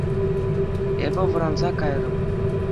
Эпӗ вӑранса кайрӑм.